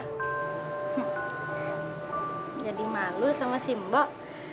malu sama si mbok